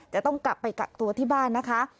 จะต้องกลับไปกักตัวที่บ้านนะคะ